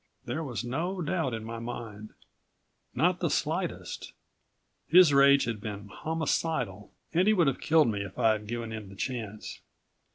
There was no doubt in my mind ... not the slightest.... His rage had been homicidal and he would have killed me if I'd given him the chance.